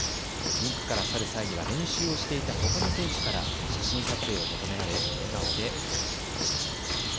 リンクから去る際には練習をしていたほかの選手から写真撮影を求められ、笑顔で応じていました。